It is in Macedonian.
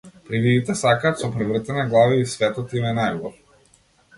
Привидите сакаат со превртена глава и светот им е најубав.